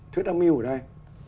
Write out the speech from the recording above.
thuyết âm mưu ở đây